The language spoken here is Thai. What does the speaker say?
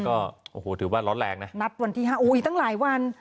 ก็โอ้โหถือว่าร้อนแรงนะนัดวันที่๕อุ้ยตั้งหลายวัน